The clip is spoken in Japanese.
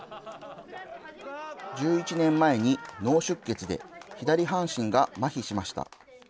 １１年前に脳出血で、左半身がまひしました。